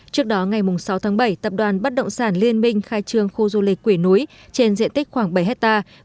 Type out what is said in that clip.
trước đó ngày sáu tháng bảy tập đoàn bất động sản liên minh khai trương khu du lịch quỷ núi trên diện tích khoảng bảy hectare